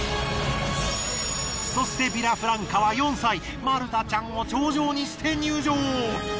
そしてヴィラフランカは４歳マルタちゃんを頂上にして入場。